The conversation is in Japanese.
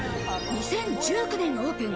２０１９年のオープン。